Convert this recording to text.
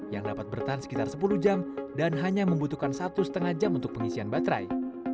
yang dapat bertahan sekitar sepuluh jam dan hanya membutuhkan satu setengah jam untuk pengisian baterai